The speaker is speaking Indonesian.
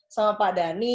sama pak dhani